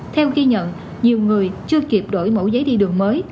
theo ghi nhận nhiều người chưa kịp đổi mẫu giấy đi đường mới